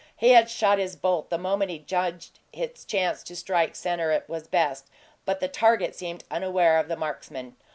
He had shot his bolt the moment he judged its chance to strike center was best, but the target seemed unaware of the marksman.